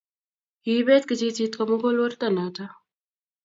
Kibeet kijijit komugul werto noto